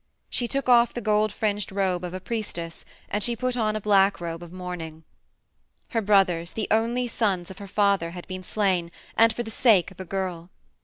She took off the gold fringed robe of a priestess, and she put on a black robe of mourning. Her brothers, the only sons of her father, had been slain, and for the sake of a girl.